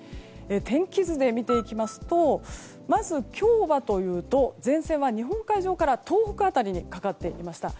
天気図で見ていきますとまず、今日はというと前線は日本海上から東北辺りにかかっていました。